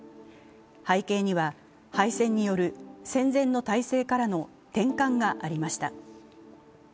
背景には敗戦による戦前の体制からの転換がありました。